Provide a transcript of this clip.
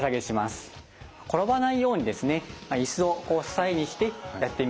転ばないように椅子を支えにしてやってみましょう。